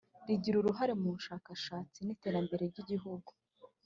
rigira uruhare mushakashatsi niterambere byigihugu